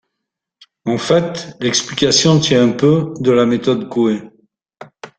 En fait, l’explication tient un peu de la méthode Coué.